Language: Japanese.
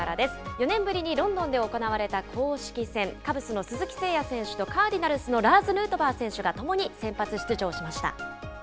４年ぶりにロンドンで行われた公式戦、カブスの鈴木誠也選手と、カーディナルスのラーズ・ヌートバー選手がともに先発出場しました。